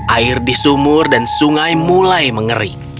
air di sumur dan sungai mulai mengering